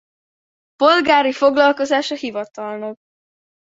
Polgári foglalkozása hivatalnok.